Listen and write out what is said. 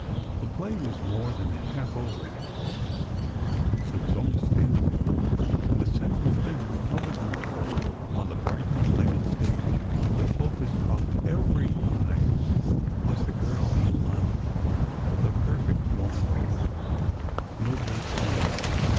The play was more than half over — there was only standing room — and the central figure of the group on the brilliantly lighted stage, the focus of every eye, was the girl he loved — the perfect woman, nob!y planned, &c.